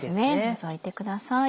除いてください。